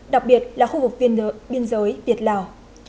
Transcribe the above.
đặc biệt là khu vực biên giới việt lào